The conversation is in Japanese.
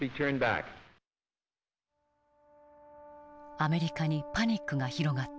アメリカにパニックが広がった。